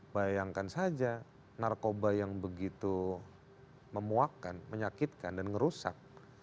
bayangkan saja narkoba yang begitu memuakkan menyakitkan dan ngerusak